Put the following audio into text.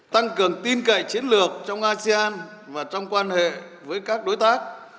tăng cường tin cậy chiến lược trong asean và trong quan hệ với các đối tác